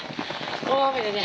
大雨でね